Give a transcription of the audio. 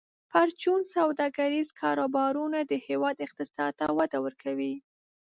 پرچون سوداګریز کاروبارونه د هیواد اقتصاد ته وده ورکوي.